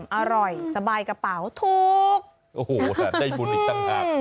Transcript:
อิ่มอร่อยสบายกระเป๋าทุกข์โอ้โหแต่ได้บุญอีกตั้งหาก